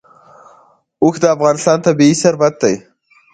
اوښ د افغانستان طبعي ثروت دی.